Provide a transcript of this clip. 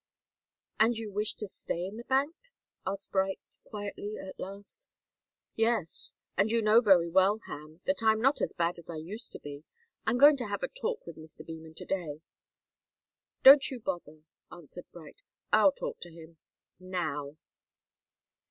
"And you wish to stay in the bank?" asked Bright, quietly, at last. "Yes. And you know very well, Ham, that I'm not as bad as I used to be. I'm going to have a talk with Mr. Beman to day." "Don't you bother," answered Bright. "I'll talk to him now."